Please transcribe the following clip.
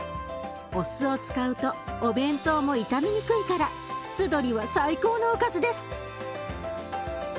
お酢を使うとお弁当も傷みにくいから酢鶏は最高のおかずです。